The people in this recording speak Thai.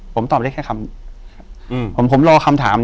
อยู่ที่แม่ศรีวิรัยิลครับ